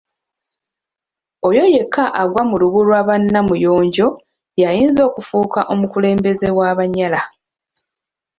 Oyo yekka agwa mu lubu lwa ba Namuyonjo y’ayinza okufuuka omukulembeze w’Abanyala.